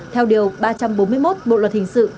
theo điều ba trăm bốn mươi một bộ luật hình sự